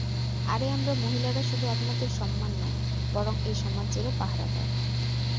আরে আমরা মহিলারা শুধু আপনাদের সম্মান নয়, বরং এই সমাজেরও পাহাড়াদার।